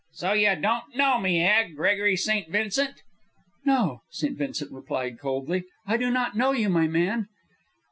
"So you don't know me, eh, Gregory St. Vincent?" "No," St. Vincent replied, coldly, "I do not know you, my man."